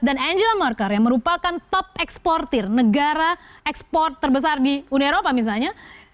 dan angela merkel yang merupakan top eksportir negara ekspor terbesar di uni eropa misalnya